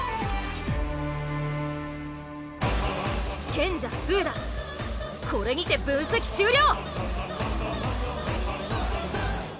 賢者・末田これにて分析終了！